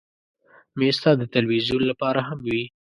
مېز د تلویزیون لپاره هم وي.